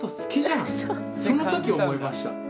その時思いました。